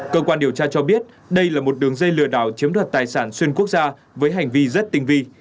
cơ quan điều tra cho biết đây là một đường dây lừa đảo chiếm đoạt tài sản xuyên quốc gia với hành vi rất tinh vi